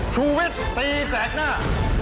ชูวิทย์ตีแสกหน้า